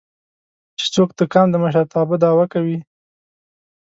چې څوک د قام د مشرتابه دعوه کوي